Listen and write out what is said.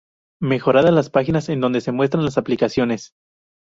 Mejoradas las páginas en donde se muestran las aplicaciones.